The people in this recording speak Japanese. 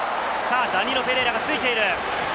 ダニーロ・ペレイラがついている。